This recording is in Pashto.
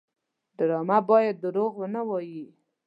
ډرامه باید دروغ ونه وایي